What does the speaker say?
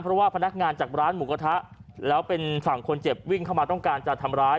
เพราะว่าพนักงานจากร้านหมูกระทะแล้วเป็นฝั่งคนเจ็บวิ่งเข้ามาต้องการจะทำร้าย